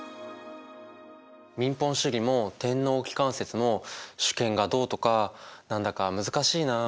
民本主義も天皇機関説も主権がどうとか何だか難しいなあ。